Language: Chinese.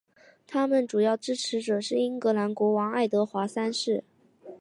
他的主要支持者是英格兰国王爱德华三世。